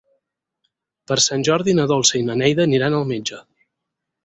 Per Sant Jordi na Dolça i na Neida aniran al metge.